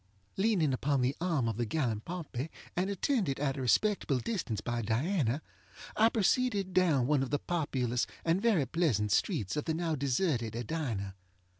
Leaning upon the arm of the gallant Pompey, and attended at a respectable distance by Diana, I proceeded down one of the populous and very pleasant streets of the now deserted Edina.